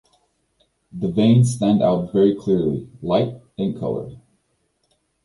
The veins stand out very clearly, light in color.